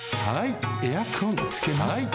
はいエアコンつけます。